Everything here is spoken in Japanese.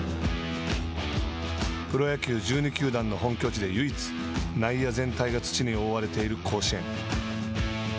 プロ野球１２球団の本拠地で唯一、内野全体が土に覆われている甲子園。